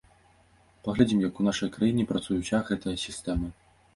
Паглядзім, як у нашай краіне працуе ўся гэтая сістэма.